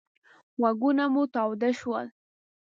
غوږونه مو تاوده شول.